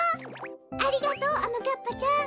ありがとうあまかっぱちゃん。